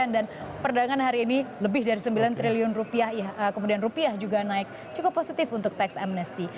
dan perdagangan hari ini lebih dari sembilan triliun rupiah kemudian rupiah juga naik cukup positif untuk teks amnesti